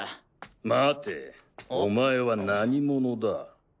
待てお前は何者だ？